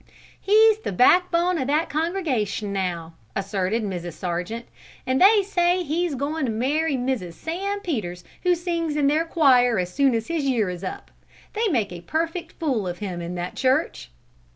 "He's the backbone o' that congregation now," asserted Mrs. Sargent, "and they say he's goin' to marry Mrs. Sam Peters, who sings in their choir as soon as his year is up. They make a perfect fool of him in that church."